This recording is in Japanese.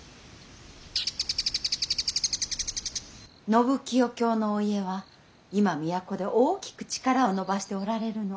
信清卿のお家は今都で大きく力を伸ばしておられるの。